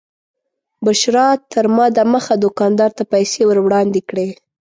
بشرا تر ما دمخه دوکاندار ته پیسې ور وړاندې کړې.